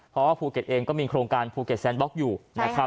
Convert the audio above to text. เพราะว่าภูเก็ตเองก็มีโครงการภูเก็ตแซนบล็อกอยู่นะครับ